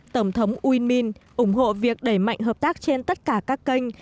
tổng thống uyên minh ủng hộ việc đẩy mạnh hợp tác trên tất cả các kênh